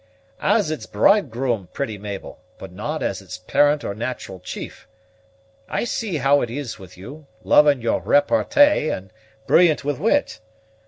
"As its bridegroom, pretty Mabel, but not as its parent or natural chief. I see how it is with you, loving your repartee, and brilliant with wit.